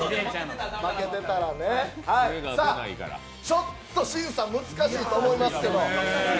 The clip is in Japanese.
ちょっと審査難しいと思いますけど。